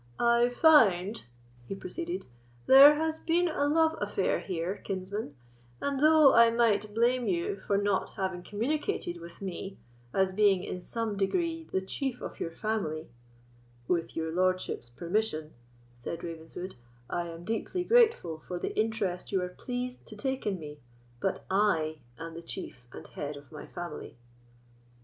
I find," he proceeded, "there has been a love affair here, kinsman; and though I might blame you for not having communicated with me, as being in some degree the chief of your family——" "With your lordship's permission," said Ravenswood, "I am deeply grateful for the interest you are pleased to take in me, but I am the chief and head of my family."